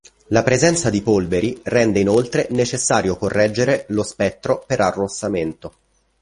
La presenza di polveri rende inoltre necessario correggere lo spettro per arrossamento.